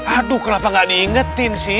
aduh kenapa gak diingetin sih